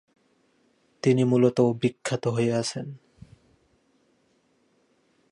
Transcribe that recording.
তিনি মূলত বিখ্যাত হয়ে আছেন।